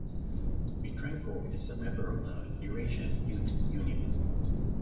Vitrenko is a member of the Eurasian Youth Union.